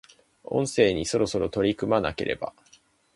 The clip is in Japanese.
卒論にそろそろ取り組まなければ